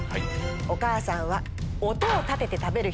お母さんは。